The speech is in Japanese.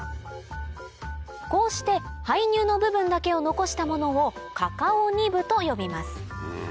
こうして胚乳の部分だけを残したものをと呼びます